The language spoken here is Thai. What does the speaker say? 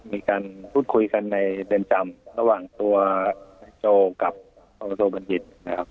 มีการพูดคุยกันในเดินจำระหว่างตัวโจกับพนับประโยชน์โทบันยินทร์นะครับ